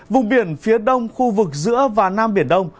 vùng biển phía đông khu vực giữa và nam biển đông